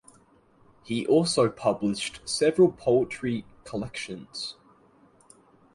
He also published several poetry collections.